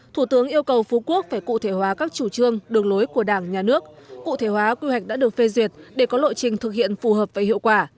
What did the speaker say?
thủ tướng yêu cầu phú quốc phải cụ thể hóa các chủ trương đường lối của đảng nhà nước cụ thể hóa quy hoạch đã được phê duyệt để có lộ trình thực hiện phù hợp và hiệu quả